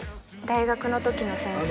大学の時の先生です